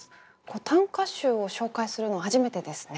短歌集を紹介するの初めてですね。